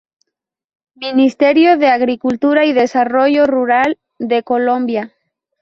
Ministerio de Agricultura y Desarrollo Rural de Colombia.